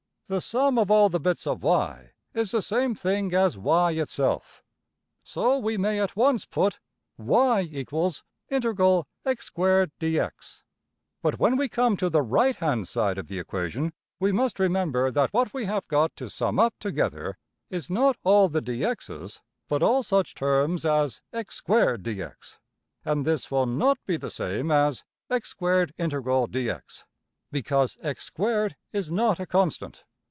The sum of all the bits of~$y$ is the same thing as $y$~itself. So we may at once put: \[ y = \int x^2\, dx. \] But when we come to the right hand side of the equation we must remember that what we have got to sum up together is not all the~$dx$'s, but all such terms as~$x^2\, dx$; and this will \emph{not} be the same as $x^2 \ds\int dx$, because $x^2$~is not a constant.